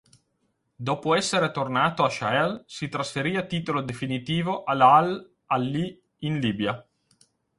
Dopo essere tornato al Sahel, si trasferì a titolo definitivo all'Al-Ahly, in Libia.